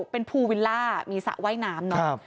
เป็นภูวิลล่ามีสระว่ายน้ำเนาะ